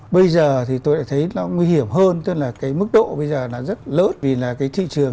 bây giờ thì tôi đã thấy nó nguy hiểm hơn tức là cái mức độ bây giờ nó rất lớn vì là cái thị trường